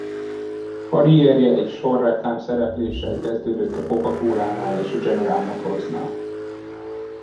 Karrierje egy sor reklám szerepléssel kezdődött a Coca-colá-nál és a General Motorsnál.